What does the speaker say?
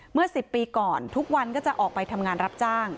เมื่อ๑๐ปีก่อนทุกวันก็จะออกไปทำงานรับจ้าง